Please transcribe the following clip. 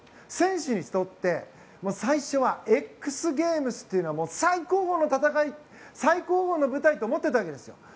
選手にとって最初はＸＧＡＭＥＳというのは最高峰の戦い、最高峰の舞台と思っていたわけですよ。